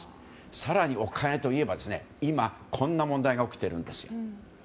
更に、お金といえば今こんな問題が起きています。